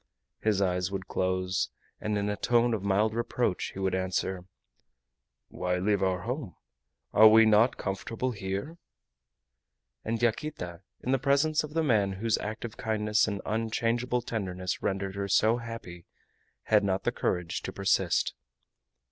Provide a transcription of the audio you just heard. His eyes would close, and in a tone of mild reproach he would answer: "Why leave our home? Are we not comfortable here?" And Yaquita, in the presence of the man whose active kindness and unchangeable tenderness rendered her so happy, had not the courage to persist.